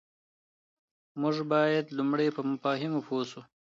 موږ بايد لومړی په مفاهيمو پوه سو.